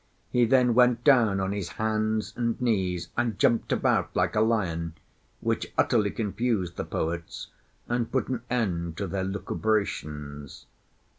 He then went down on his hands and knees, and jumped about like a lion, which utterly confused the poets, and put an end to their lucubrations.